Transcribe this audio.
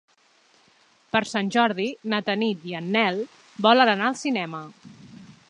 Per Sant Jordi na Tanit i en Nel volen anar al cinema.